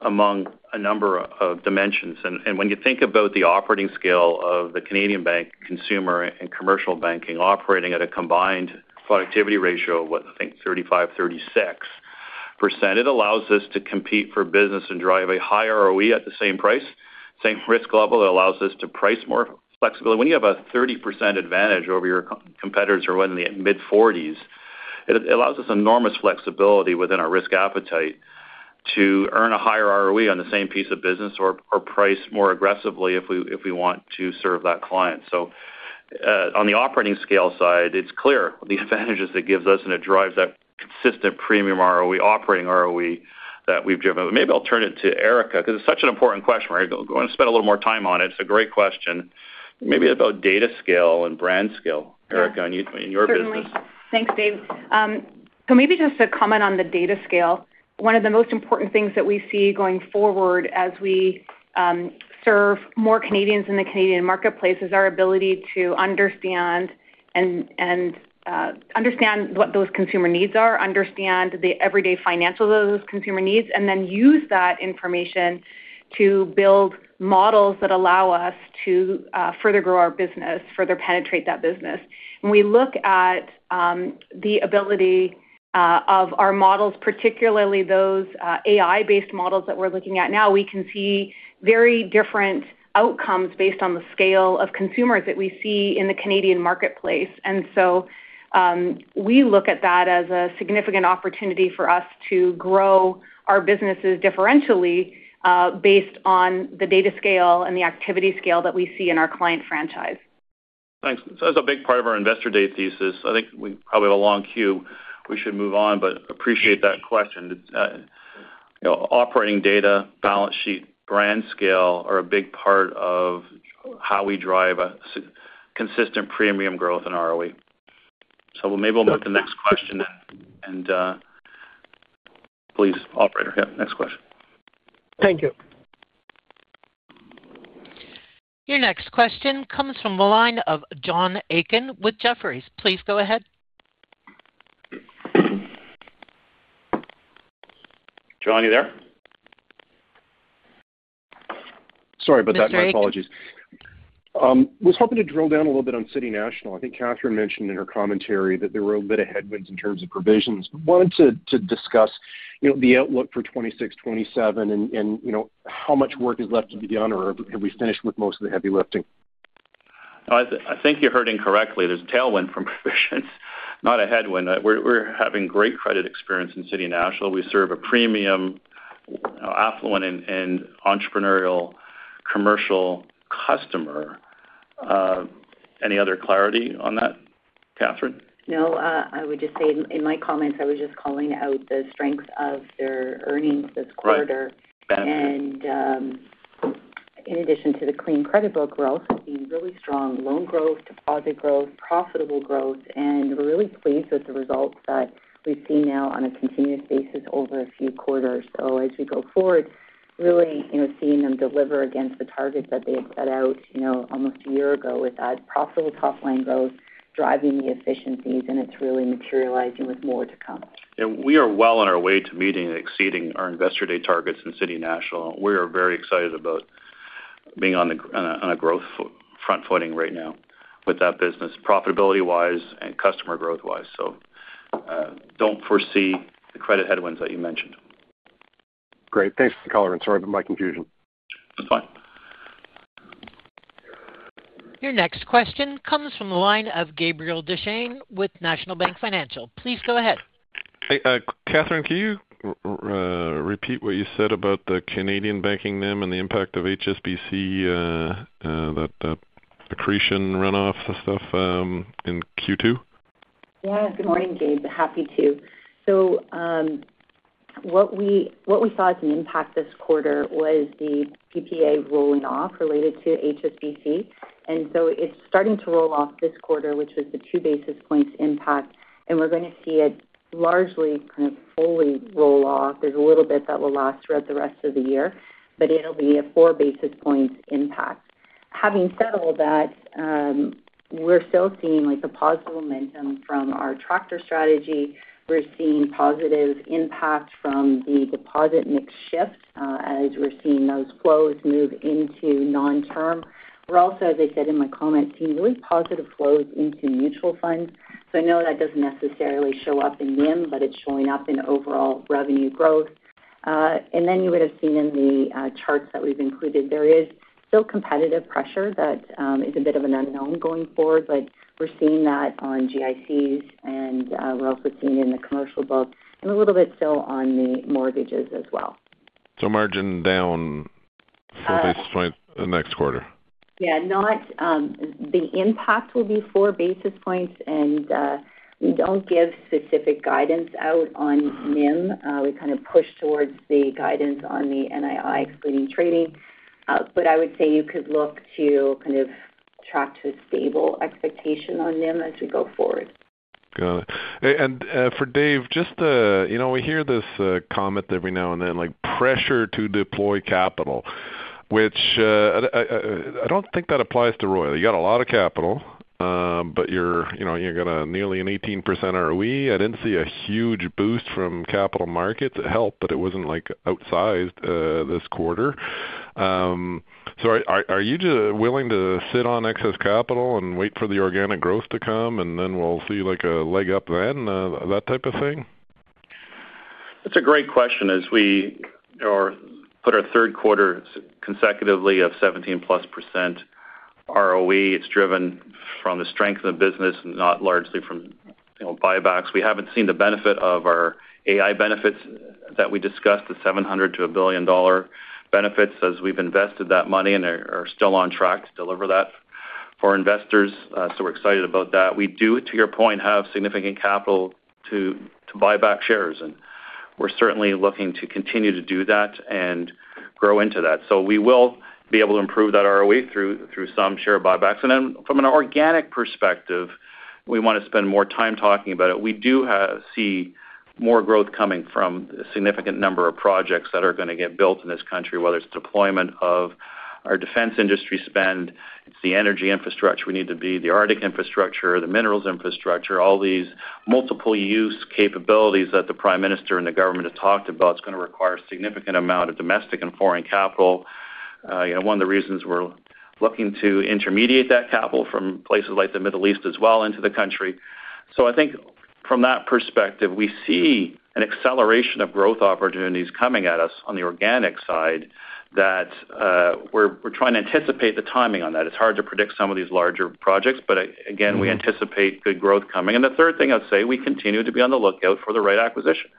among a number of dimensions. When you think about the operating scale of the Canadian bank, consumer and commercial banking, operating at a combined productivity ratio of what, I think, 35%-36%, it allows us to compete for business and drive a higher ROE at the same price, same risk level. It allows us to price more flexibility. When you have a 30% advantage over your competitors who are in the mid-forties, it allows us enormous flexibility within our risk appetite to earn a higher ROE on the same piece of business or price more aggressively if we, if we want to serve that client. On the operating scale side, it's clear the advantages it gives us, and it drives that consistent premium ROE, operating ROE, that we've driven. Maybe I'll turn it to Erica, because it's such an important question, right? I want to spend a little more time on it. It's a great question. Maybe about data scale and brand scale, Erica, in your business. Certainly. Thanks, Dave. Maybe just to comment on the data scale. One of the most important things that we see going forward as we serve more Canadians in the Canadian marketplace is our ability to understand and understand what those consumer needs are, understand the everyday financial of those consumer needs, and then use that information to build models that allow us to further grow our business, further penetrate that business. When we look at the ability of our models, particularly those AI-based models that we're looking at now, we can see very different outcomes based on the scale of consumers that we see in the Canadian marketplace. We look at that as a significant opportunity for us to grow our businesses differentially, based on the data scale and the activity scale that we see in our client franchise. Thanks. That's a big part of our Investor Day thesis. I think we probably have a long queue. We should move on, but appreciate that question. you know, operating data, balance sheet, brand scale, are a big part of how we drive a consistent premium growth in ROE. Maybe we'll move to the next question then. Please, operator. Next question. Thank you. Your next question comes from the line of John Aiken with Jefferies. Please go ahead. John, are you there? Sorry about that. Mr. Aiken. My apologies. Was hoping to drill down a little bit on City National. I think Katherine mentioned in her commentary that there were a bit of headwinds in terms of provisions. Wanted to discuss, you know, the outlook for 2026, 2027 and, you know, how much work is left to be done, or have we finished with most of the heavy lifting? No, I think you heard incorrectly. There's a tailwind from provisions, not a headwind. We're having great credit experience in City National. We serve a premium, affluent, and entrepreneurial commercial customer. Any other clarity on that, Katherine? I would just say in my comments, I was just calling out the strengths of their earnings this quarter. Right. In addition to the clean credit book growth, seeing really strong loan growth, deposit growth, profitable growth, and we're really pleased with the results that we've seen now on a continuous basis over a few quarters. As we go forward, really, you know, seeing them deliver against the target that they had set out, you know, almost a year ago, with that profitable top-line growth, driving the efficiencies, and it's really materializing with more to come. We are well on our way to meeting and exceeding our investor day targets in City National. We are very excited about being on a growth front footing right now with that business, profitability-wise and customer growth-wise. Don't foresee the credit headwinds that you mentioned. Great. Thanks for the color, and sorry about my confusion. That's fine. Your next question comes from the line of Gabriel Dechaine with National Bank Financial. Please go ahead. Hey, Katherine, can you repeat what you said about the Canadian banking NIM and the impact of HSBC, that, the accretion runoffs and stuff, in Q2? Yeah. Good morning, Gabe. Happy to. What we saw as an impact this quarter was the PPA rolling off related to HSBC. It's starting to roll off this quarter, which was the 2 basis points impact, and we're going to see it largely kind of fully roll off. There's a little bit that will last throughout the rest of the year, but it'll be a 4 basis points impact. Having said all that, we're still seeing, like, a positive momentum from our tractor strategy. We're seeing positive impact from the deposit mix shift, as we're seeing those flows move into non-term. We're also, as I said in my comments, seeing really positive flows into mutual funds. I know that doesn't necessarily show up in NIM, but it's showing up in overall revenue growth. You would've seen in the charts that we've included, there is still competitive pressure that is a bit of an unknown going forward, but we're seeing that on GICs, and we're also seeing it in the commercial book and a little bit still on the mortgages as well. Margin down 4 basis points the next quarter? Yeah. Not, the impact will be 4 basis points. We don't give specific guidance out on NIM. We kind of push towards the guidance on the NII, excluding trading. I would say you could look to kind of track to a stable expectation on NIM as we go forward. Got it. For Dave, just to... You know, we hear this comment every now and then, like, pressure to deploy capital, which I don't think that applies to Royal. You got a lot of capital, but you're, you know, you've got a nearly an 18% ROE. I didn't see a huge boost from capital markets. It helped, but it wasn't, like, outsized this quarter. Are you just willing to sit on excess capital and wait for the organic growth to come, and then we'll see, like, a leg up then, that type of thing? That's a great question. As we put our third quarter consecutively of 17+% ROE, it's driven from the strength of the business, not largely from, you know, buybacks. We haven't seen the benefit of our AI benefits that we discussed, the 700 million-1 billion dollar benefits, as we've invested that money and are still on track to deliver that for investors. We're excited about that. We do, to your point, have significant capital to buy back shares, and we're certainly looking to continue to do that and grow into that. We will be able to improve that ROE through some share buybacks. From an organic perspective, we want to spend more time talking about it. We do see more growth coming from a significant number of projects that are going to get built in this country, whether it's deployment of our defense industry spend, it's the energy infrastructure we need to be, the Arctic infrastructure, the minerals infrastructure. All these multiple use capabilities that the Prime Minister and the government have talked about is going to require a significant amount of domestic and foreign capital. you know, one of the reasons we're looking to intermediate that capital from places like the Middle East as well into the country. I think from that perspective, we see an acceleration of growth opportunities coming at us on the organic side that, we're trying to anticipate the timing on that. It's hard to predict some of these larger projects, but again, we anticipate good growth coming. The third thing I'd say, we continue to be on the lookout for the right acquisition.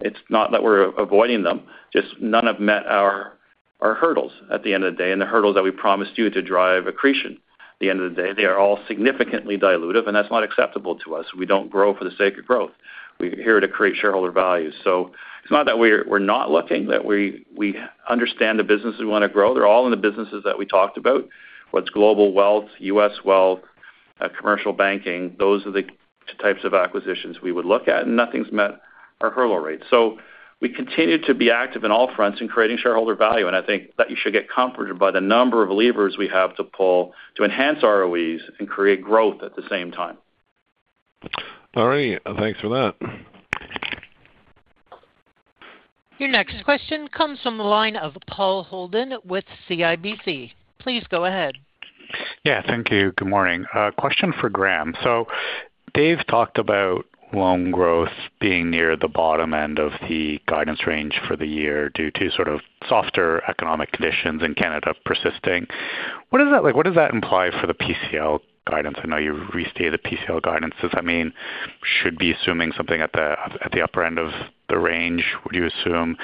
It's not that we're avoiding them, just none have met our hurdles at the end of the day, and the hurdles that we promised you to drive accretion. At the end of the day, they are all significantly dilutive. That's not acceptable to us. We don't grow for the sake of growth. We're here to create shareholder value. It's not that we're not looking, that we understand the business we want to grow. They're all in the businesses that we talked about, whether it's global wealth, US Wealth, commercial banking. Those are the types of acquisitions we would look at. Nothing's met our hurdle rate. We continue to be active on all fronts in creating shareholder value, and I think that you should get comforted by the number of levers we have to pull to enhance ROEs and create growth at the same time. All right. Thanks for that. Your next question comes from the line of Paul Holden with CIBC. Please go ahead. Yeah, thank you. Good morning. A question for Graeme. Dave talked about loan growth being near the bottom end of the guidance range for the year due to sort of softer economic conditions in Canada persisting. What does that, what does that imply for the PCL guidance? I know you restated the PCL guidance. Does that mean should be assuming something at the upper end of the range, would you assume?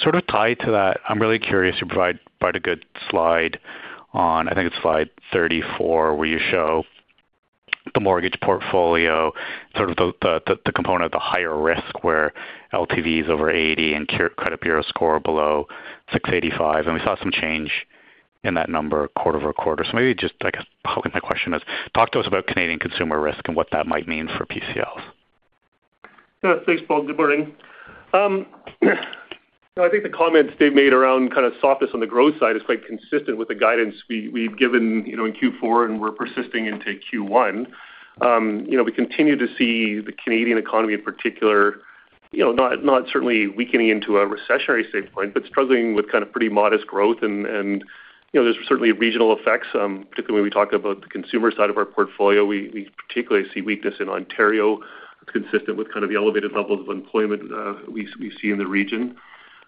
sort of tied to that, I'm really curious, you provide quite a good slide on, I think it's slide 34, where you show the mortgage portfolio, sort of the component of the higher risk, where LTV is over 80 and credit bureau score below 685, and we saw some change in that number quarter-over-quarter. Maybe just, I guess, my question is, talk to us about Canadian consumer risk and what that might mean for PCLs? Yeah, thanks, Paul. Good morning. I think the comments they made around kind of softness on the growth side is quite consistent with the guidance we've given, you know, in Q4, and we're persisting into Q1. You know, we continue to see the Canadian economy, in particular, you know, not certainly weakening into a recessionary standpoint, but struggling with kind of pretty modest growth. You know, there's certainly regional effects, particularly when we talk about the consumer side of our portfolio. We particularly see weakness in Ontario. It's consistent with kind of the elevated levels of employment we see in the region.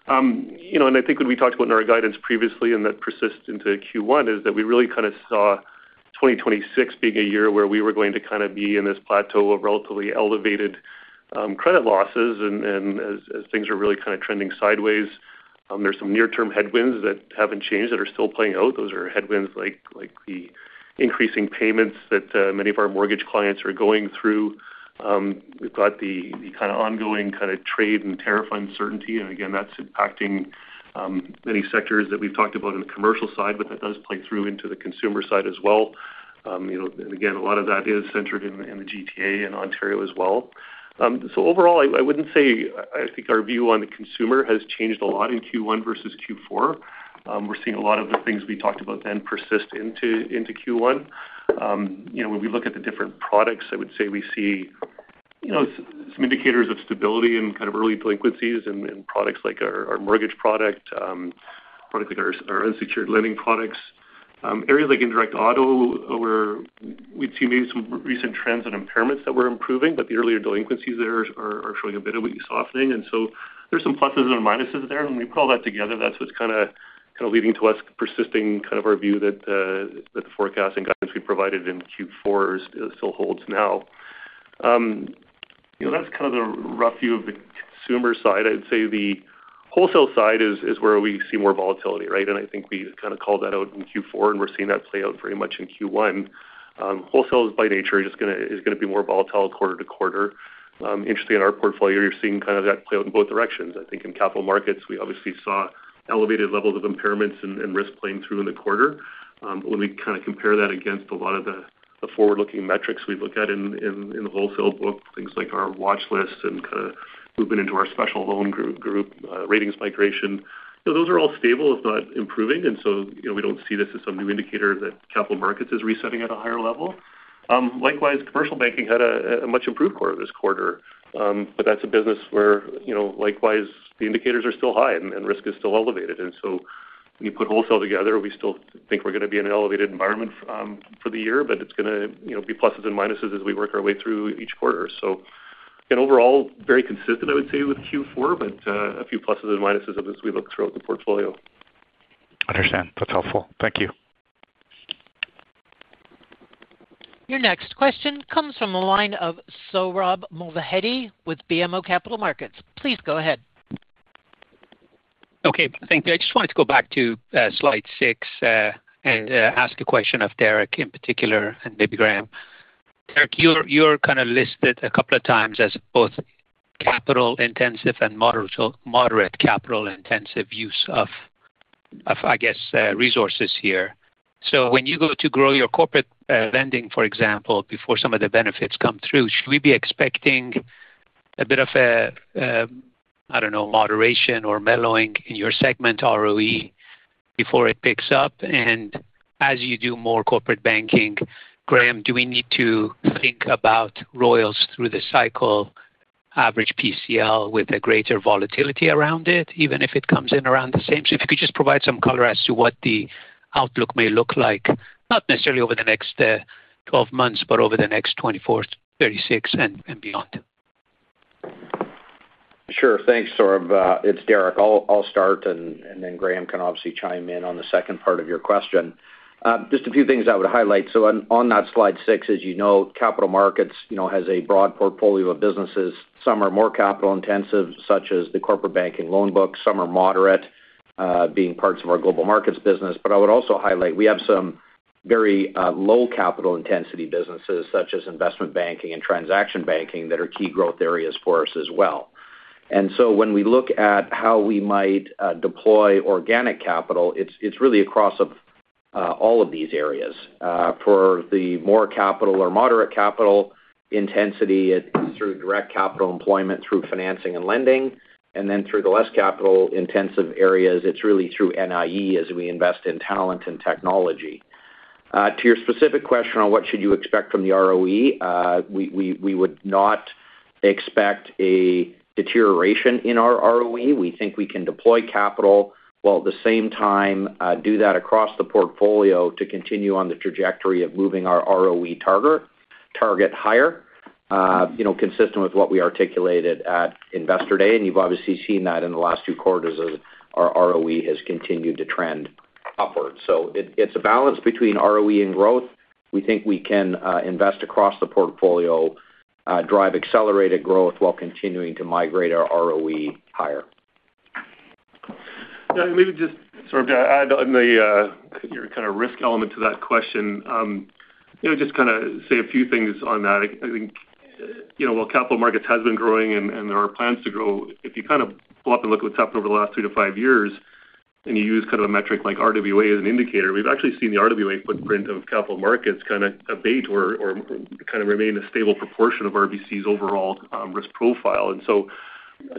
you know, I think when we talked about in our guidance previously, and that persists into Q1, is that we really kind of saw 2026 being a year where we were going to kind of be in this plateau of relatively elevated credit losses. As things are really kind of trending sideways, there's some near-term headwinds that haven't changed, that are still playing out. Those are headwinds like the increasing payments that many of our mortgage clients are going through. We've got the kind of ongoing kind of trade and tariff uncertainty. Again, that's impacting many sectors that we've talked about on the commercial side, but that does play through into the consumer side as well. You know, again, a lot of that is centered in the GTA and Ontario as well. Overall, I wouldn't say I think our view on the consumer has changed a lot in Q1 versus Q4. We're seeing a lot of the things we talked about then persist into Q1. You know, when we look at the different products, I would say we see, you know, some indicators of stability and kind of early delinquencies in products like our mortgage product, products like our unsecured lending products. Areas like indirect auto, where we've seen some recent trends and impairments that we're improving, but the earlier delinquencies there are showing a bit of weakening softening. There's some pluses and minuses there. When we pull that together, that's what's kind of leading to us persisting, kind of our view that the forecast and guidance we provided in Q4 still holds now. You know, that's kind of the rough view of the consumer side. I'd say the wholesale side is where we see more volatility, right? I think we kind of called that out in Q4, and we're seeing that play out pretty much in Q1. Wholesale is by nature, just gonna be more volatile quarter-to-quarter. Interestingly, in our portfolio, you're seeing kind of that play out in both directions. I think in capital markets, we obviously saw elevated levels of impairments and risk playing through in the quarter. When we kind of compare that against a lot of the forward-looking metrics we look at in, in the wholesale book, things like our watch list and kind of movement into our special loan group, ratings migration, those are all stable, if not improving. You know, we don't see this as some new indicator that Capital Markets is resetting at a higher level. Likewise, Commercial Banking had a much improved quarter this quarter. That's a business where, you know, likewise, the indicators are still high and risk is still elevated. When you put Wholesale together, we still think we're going to be in an elevated environment for the year, but it's gonna, you know, be pluses and minuses as we work our way through each quarter. In overall, very consistent, I would say, with Q4, a few pluses and minuses of this as we look throughout the portfolio. Understand. That's helpful. Thank you. Your next question comes from the line of Sohrab Movahedi with BMO Capital Markets. Please go ahead. Okay. Thank you. I just wanted to go back to slide 6 and ask a question of Derek in particular, and maybe Graeme. Derek, you're kind of listed a couple of times as both capital intensive and moderate, so moderate capital intensive use of, I guess, resources here. When you go to grow your corporate lending, for example, before some of the benefits come through, should we be expecting a bit of a, I don't know, moderation or mellowing in your segment ROE before it picks up? As you do more corporate banking, Graeme, do we need to think about ROEs through the cycle, average PCL, with a greater volatility around it, even if it comes in around the same? If you could just provide some color as to what the outlook may look like, not necessarily over the next 12 months, but over the next 24, 36, and beyond. Sure. Thanks, Sohrab. It's Derek. I'll start, and then Graeme can obviously chime in on the second part of your question. Just a few things I would highlight. On that slide 6, as you know, Capital Markets, you know, has a broad portfolio of businesses. Some are more capital intensive, such as the corporate banking loan book. Some are moderate, being parts of our global markets business. I would also highlight, we have some very low capital intensity businesses, such as investment banking and transaction banking, that are key growth areas for us as well. When we look at how we might deploy organic capital, it's really across of all of these areas. For the more capital or moderate capital intensity, it's through direct capital employment, through financing and lending, and then through the less capital-intensive areas, it's really through NIE as we invest in talent and technology. To your specific question on what should you expect from the ROE, we would not. expect a deterioration in our ROE. We think we can deploy capital, while at the same time, do that across the portfolio to continue on the trajectory of moving our ROE target higher, you know, consistent with what we articulated at Investor Day, and you've obviously seen that in the last two quarters as our ROE has continued to trend upward. It, it's a balance between ROE and growth. We think we can, invest across the portfolio, drive accelerated growth while continuing to migrate our ROE higher. Yeah, maybe just sort of to add on the, your kind of risk element to that question. You know, just kind of say a few things on that. I think, you know, while capital markets has been growing and there are plans to grow, if you kind of go up and look what's happened over the last two to five years, and you use kind of a metric like RWA as an indicator, we've actually seen the RWA footprint of capital markets kind of abate or kind of remain a stable proportion of RBC's overall, risk profile.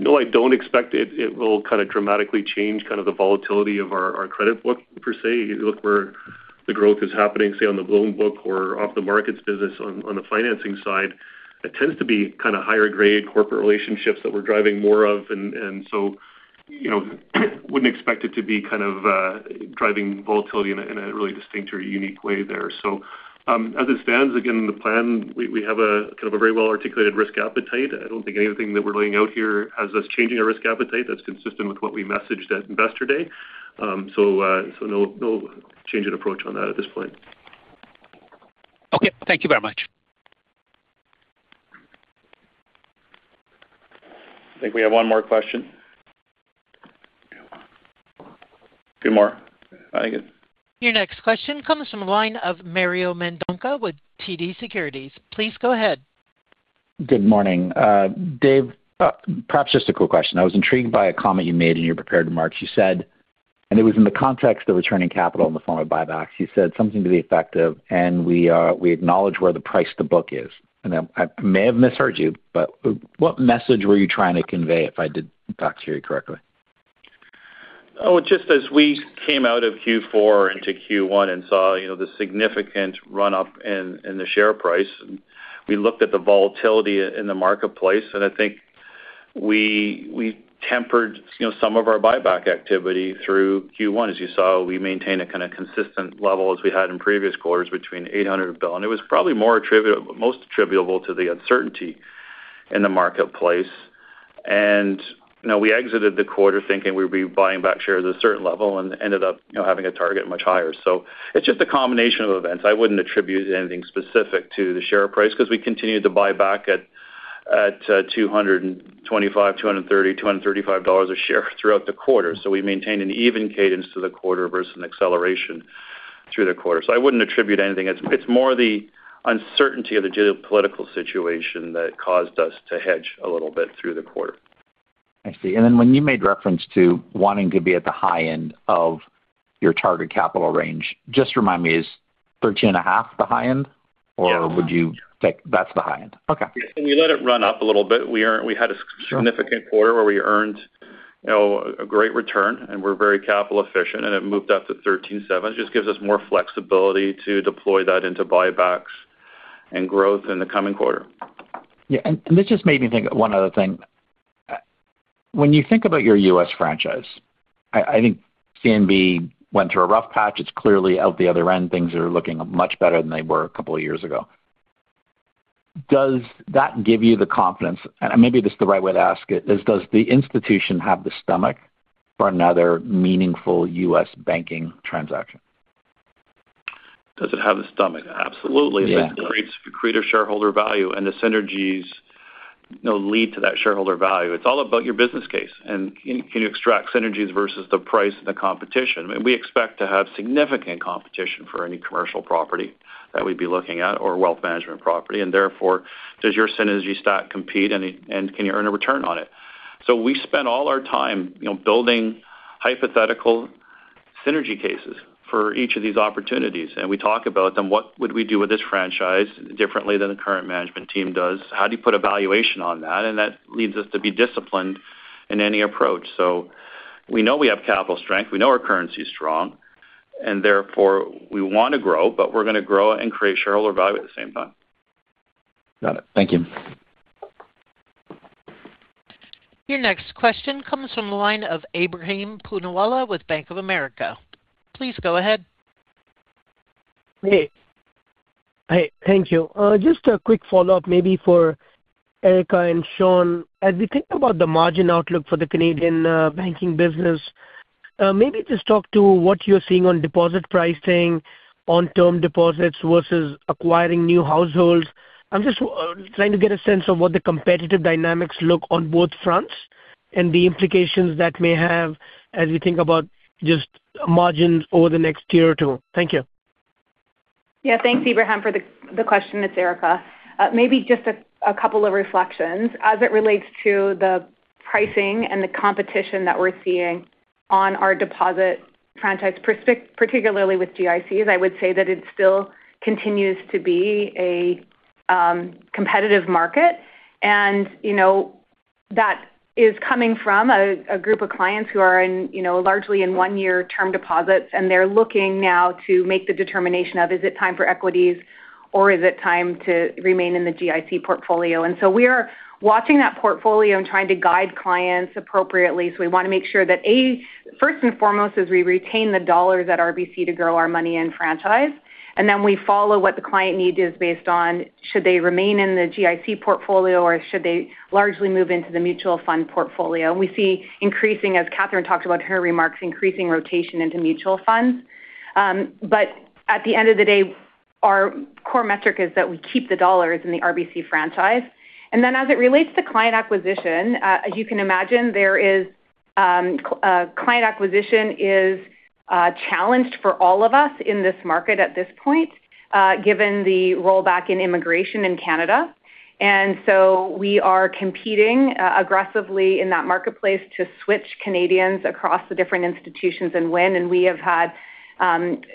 No, I don't expect it will kind of dramatically change kind of the volatility of our credit book per se. Look where the growth is happening, say, on the loan book or off the markets business on the financing side, it tends to be kind of higher grade corporate relationships that we're driving more of. You know, wouldn't expect it to be kind of driving volatility in a, in a really distinct or unique way there. As it stands, again, the plan, we have a kind of a very well-articulated risk appetite. I don't think anything that we're laying out here has us changing our risk appetite. That's consistent with what we messaged at Investor Day. No, no change in approach on that at this point. Okay. Thank you very much. I think we have one more question. Two more, I think. Your next question comes from the line of Mario Mendonca with TD Securities. Please go ahead. Good morning. Dave, perhaps just a quick question. I was intrigued by a comment you made in your prepared remarks. You said, and it was in the context of returning capital in the form of buybacks, you said, "Something to be effective, and we acknowledge where the price-the-book is." I may have misheard you. What message were you trying to convey if I did, in fact, hear you correctly? Just as we came out of Q4 into Q1 and saw, you know, the significant run-up in the share price, we looked at the volatility in the marketplace, I think we tempered, you know, some of our buyback activity through Q1. As you saw, we maintained a kind of consistent level as we had in previous quarters, between 800 bill. It was probably most attributable to the uncertainty in the marketplace. You know, we exited the quarter thinking we'd be buying back shares at a certain level and ended up, you know, having a target much higher. It's just a combination of events. I wouldn't attribute anything specific to the share price, 'cause we continued to buy back at $225, $230, $235 a share throughout the quarter. We maintained an even cadence to the quarter versus an acceleration through the quarter. I wouldn't attribute anything. It's more the uncertainty of the geopolitical situation that caused us to hedge a little bit through the quarter. I see. Then when you made reference to wanting to be at the high end of your target capital range, just remind me, is 13.5% the high end? Yeah. Would you. That's the high end? Okay. We let it run up a little bit. We had a significant quarter where we earned, you know, a great return, and we're very capital efficient, and it moved up to 13.7%. It just gives us more flexibility to deploy that into buybacks and growth in the coming quarter. Yeah, this just made me think of one other thing. When you think about your U.S. franchise, I think CNB went through a rough patch. It's clearly out the other end. Things are looking much better than they were a couple of years ago. Does that give you the confidence, and maybe this is the right way to ask it, does the institution have the stomach for another meaningful U.S. banking transaction? Does it have the stomach? Absolutely. Yeah. It create a shareholder value. The synergies, you know, lead to that shareholder value. It's all about your business case, can you extract synergies versus the price and the competition? We expect to have significant competition for any commercial property that we'd be looking at or wealth management property, and therefore, does your synergy stack compete, and can you earn a return on it? We spent all our time, you know, building hypothetical synergy cases for each of these opportunities, and we talk about them. What would we do with this franchise differently than the current management team does? How do you put a valuation on that? That leads us to be disciplined in any approach. We know we have capital strength, we know our currency is strong, and therefore, we want to grow, but we're going to grow and create shareholder value at the same time. Got it. Thank you. Your next question comes from the line of Ebrahim Poonawala with Bank of America. Please go ahead. Hey, thank you. Just a quick follow-up, maybe for Erica and Sean. We think about the margin outlook for the Canadian banking business, maybe just talk to what you're seeing on deposit pricing, on term deposits versus acquiring new households. I'm just trying to get a sense of what the competitive dynamics look on both fronts and the implications that may have as we think about just margins over the next year or two. Thank you. Yeah. Thanks, Ebrahim, for the question. It's Erica. maybe just a couple of reflections. As it relates to the pricing and the competition that we're seeing on our deposit franchise, particularly with GICs, I would say that it still continues to be a competitive market. you know. That is coming from a group of clients who are in, you know, largely in one-year term deposits, and they're looking now to make the determination of: Is it time for equities, or is it time to remain in the GIC portfolio? We are watching that portfolio and trying to guide clients appropriately. We want to make sure that, A, first and foremost, is we retain the dollars at RBC to grow our money and franchise. We follow what the client need is based on should they remain in the GIC portfolio or should they largely move into the mutual fund portfolio. We see increasing, as Katherine talked about in her remarks, increasing rotation into mutual funds. At the end of the day, our core metric is that we keep the dollars in the RBC franchise. As it relates to client acquisition, as you can imagine, client acquisition is challenged for all of us in this market at this point, given the rollback in immigration in Canada. We are competing aggressively in that marketplace to switch Canadians across the different institutions and win. We have had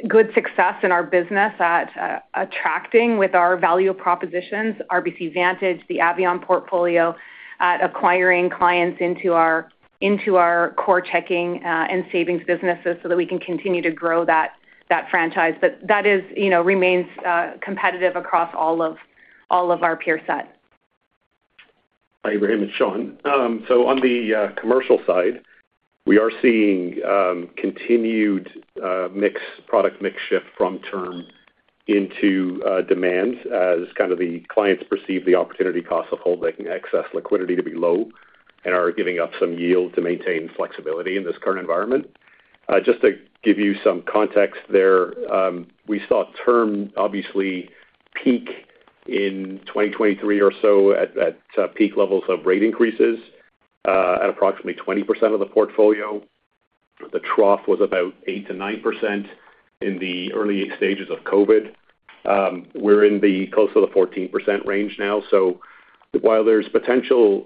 good success in our business at attracting with our value propositions, RBC Vantage, the Avion portfolio, at acquiring clients into our core checking, and savings businesses so that we can continue to grow that franchise. That is, you know, remains competitive across all of our peer set. Hi, Ebrahim, it's Sean. On the commercial side, we are seeing continued mix, product mix shift from term into demands as kind of the clients perceive the opportunity cost of holding excess liquidity to be low and are giving up some yield to maintain flexibility in this current environment. Just to give you some context there, we saw term obviously peak in 2023 or so at peak levels of rate increases at approximately 20% of the portfolio. The trough was about 8%-9% in the early stages of COVID. We're in the close to the 14% range now. While there's potential,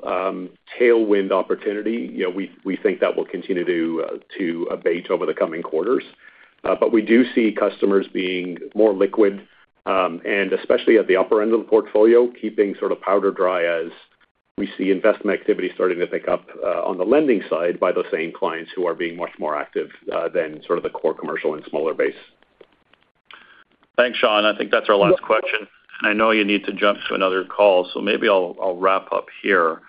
tailwind opportunity, you know, we think that will continue to abate over the coming quarters. We do see customers being more liquid, and especially at the upper end of the portfolio, keeping sort of powder dry as we see investment activity starting to pick up on the lending side by the same clients who are being much more active than sort of the core commercial and smaller base. Thanks, Sean. I think that's our last question. I know you need to jump to another call, maybe I'll wrap up here.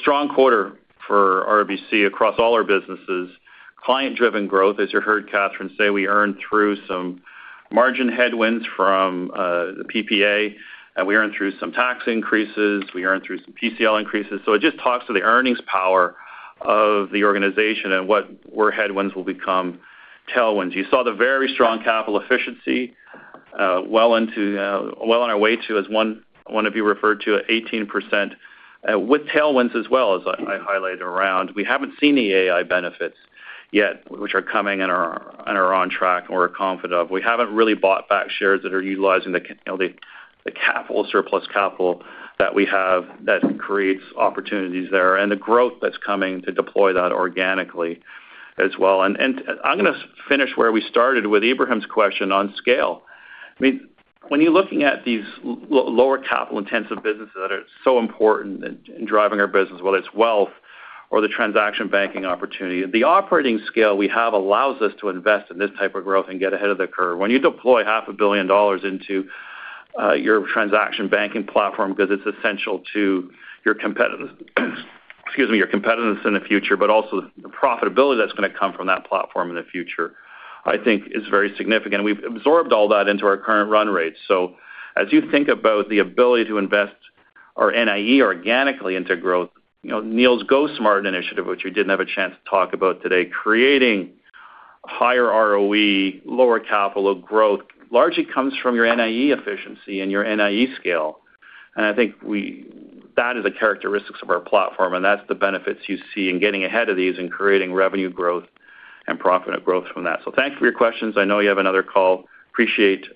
Strong quarter for RBC across all our businesses. Client-driven growth, as you heard Katherine say, we earned through some margin headwinds from the PPA, we earned through some tax increases, we earned through some PCL increases. It just talks to the earnings power of the organization and where headwinds will become tailwinds. You saw the very strong capital efficiency, well into, well on our way to, as one of you referred to, 18%, with tailwinds as well, as I highlighted around. We haven't seen the AI benefits yet, which are coming and are on track and we're confident of. We haven't really bought back shares that are utilizing you know, the capital, surplus capital that we have that creates opportunities there, and the growth that's coming to deploy that organically as well. I'm gonna finish where we started with Ibrahim's question on scale. I mean, when you're looking at these lower capital-intensive businesses that are so important in driving our business, whether it's wealth or the transaction banking opportunity, the operating scale we have allows us to invest in this type of growth and get ahead of the curve. When you deploy half a billion dollars into your transaction banking platform because it's essential to your competitive, excuse me, your competitiveness in the future, but also the profitability that's gonna come from that platform in the future, I think is very significant. We've absorbed all that into our current run rates. As you think about the ability to invest our NIE organically into growth, you know, Neil's GoSmart initiative, which we didn't have a chance to talk about today, creating higher ROE, lower capital of growth, largely comes from your NIE efficiency and your NIE scale. I think That is the characteristics of our platform, and that's the benefits you see in getting ahead of these and creating revenue growth and profit growth from that. Thank you for your questions. I know you have another call. Appreciate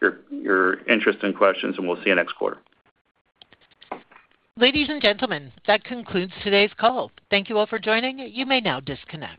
your interest and questions, and we'll see you next quarter. Ladies and gentlemen, that concludes today's call. Thank you all for joining. You may now disconnect.